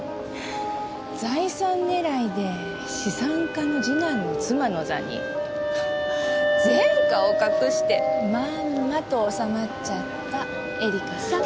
財産狙いで資産家の次男の妻の座に前科を隠してまんまと納まっちゃった恵利香さん。